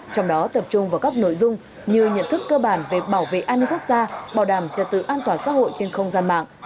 trong đó tập trung vào các nội dung như nhận thức cơ bản về bảo vệ an ninh quốc gia bảo đảm trật tự an toàn xã hội trên không gian mạng